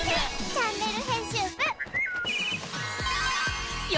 チャンネル編集部へ！